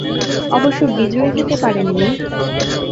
অবশ্য বিজয়ী হতে পারেননি।